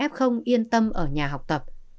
f yên tâm ở nhà học tập